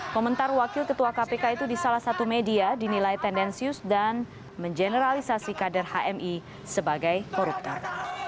komentar wakil ketua kpk itu di salah satu media dinilai tendensius dan mengeneralisasi kader hmi sebagai koruptor